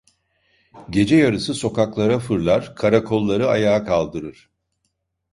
Geceyarısı sokaklara fırlar, karakolları ayağa kaldırır.